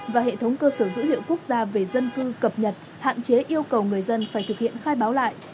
và hệ thống cơ sở dữ liệu quốc gia về dân cư cập nhật hạn chế yêu cầu người dân phải thực hiện khai báo lại